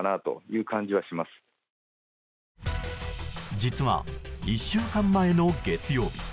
実は１週間前の月曜日。